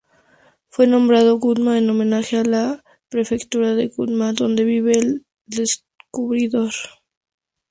Fue nombrado Gunma en homenaje a la Prefectura de Gunma donde vive el descubridor.